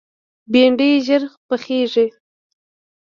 بېنډۍ ژر پخېږي